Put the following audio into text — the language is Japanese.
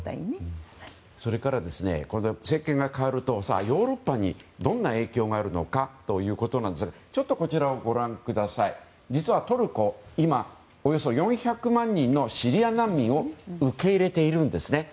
それから政権が変わるとヨーロッパにどんな影響があるのかということなんですがちょっとこちらを見ますと実は、トルコ今およそ４００万人のシリア難民を受け入れているんですね。